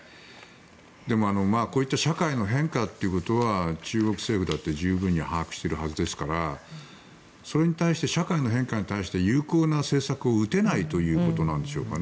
でも、こういった社会の変化ということは中国政府だって十分に把握しているはずですからそれに対して社会の変化に対して有効な政策を打てないということなんでしょうかね。